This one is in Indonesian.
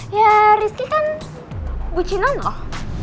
ya rizky kan bucinan loh